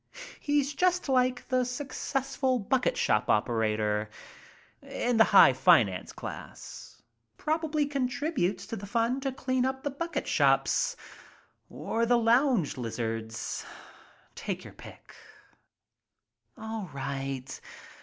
He's just like the successful bucket shop operator— in the high finance class — probably contributes to the fund to clean up the bucket shops — or the lounge lizards— take your pick." "All right.